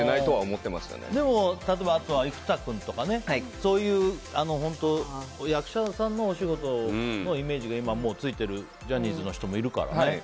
あとは生田君とかそういう役者さんのお仕事のイメージがついているジャニーズの人もいるからね。